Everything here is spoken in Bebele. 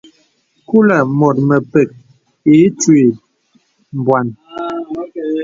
Kulə̀ mùt mèpèk ì itwi bwàn.